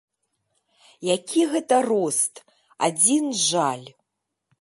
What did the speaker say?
Які гэта рост, адзін жаль.